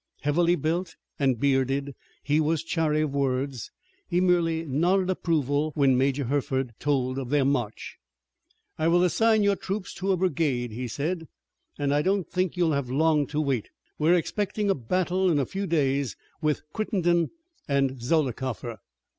Heavily built and bearded, he was chary of words. He merely nodded approval when Major Hertford told of their march. "I will assign your troops to a brigade," he said, "and I don't think you'll have long to wait. We're expecting a battle in a few days with Crittenden and Zollicoffer."